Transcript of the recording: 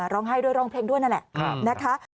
ร้องไห้ด้วยร้องเพลงด้วยนั่นแหละนะคะ